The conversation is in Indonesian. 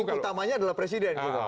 dan yang utamanya adalah presiden